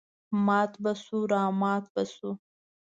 مات به شوو رامات به شوو.